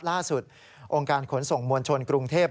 ล่าสุดองค์การขนส่งมวลชนกรุงเทพ